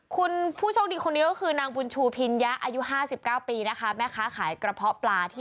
คุณผู้โชคดีคนนี้ก็คือนางบุญชูพิญญะ